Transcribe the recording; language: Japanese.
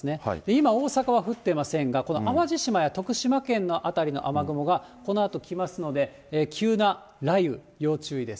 今、大阪は降ってませんが、この淡路島や徳島県の辺りの雨雲が、このあと来ますので、急な雷雨、要注意です。